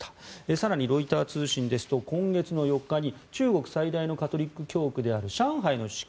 更に、ロイター通信ですと今月の４日に中国最大のカトリック教区である上海の司教